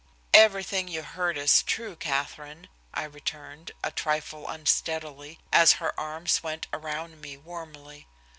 "Everything you heard is true, Katherine," I returned, a trifle unsteadily, as her arms went around me warmly.